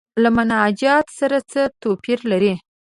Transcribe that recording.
له مناجات سره څه توپیر لري.